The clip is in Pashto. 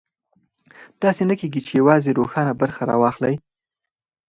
داسې نه کېږي چې یوازې روښانه برخه راواخلي.